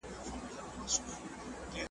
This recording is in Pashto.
حافظي ساتونکي، ميراث